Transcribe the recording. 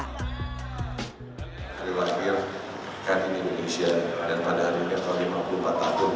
hari wakil kadin indonesia dan pada hari ini tahun ke lima puluh empat